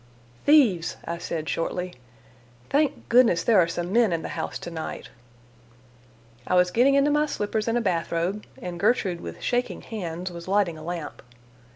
"Thieves," I said shortly. "Thank goodness, there are some men in the house to night." I was getting into my slippers and a bath robe, and Gertrude with shaking hands was lighting a lamp.